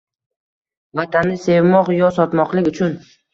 Vatanni sevmoq yo sotmoqlik uchun